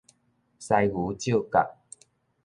犀牛照角